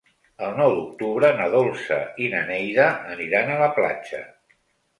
El nou d'octubre na Dolça i na Neida aniran a la platja.